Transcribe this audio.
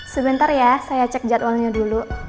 sebentar ya saya cek jadwalnya dulu